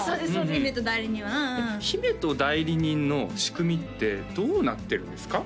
姫と代理人はうんうん姫と代理人の仕組みってどうなってるんですか？